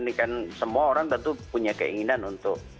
ini kan semua orang tentu punya keinginan untuk